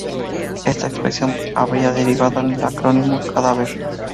Esta expresión habría derivado en el acrónimo "ca-da-ver".